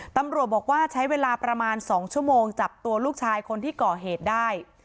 ตำรวจบอกว่าใช้เวลาประมาณ๒ชั่วโมงจับตัวลูกชายคนที่ก่อเหตุได้